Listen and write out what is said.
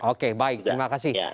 oke baik terima kasih